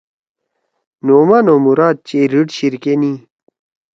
نعمان او مُراد چیریِڑ شیِر کے نی۔